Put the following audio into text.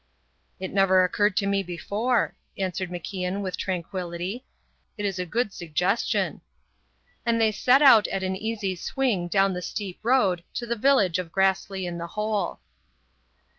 "It never occurred to me before," answered MacIan with tranquillity. "It is a good suggestion." And they set out at an easy swing down the steep road to the village of Grassley in the Hole.